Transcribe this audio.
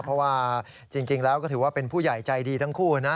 เพราะว่าจริงแล้วก็ถือว่าเป็นผู้ใหญ่ใจดีทั้งคู่นะ